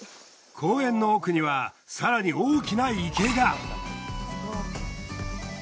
公園の奥には更に大きな池が。